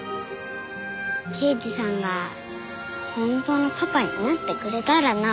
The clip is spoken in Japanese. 刑事さんが本当のパパになってくれたらなあ。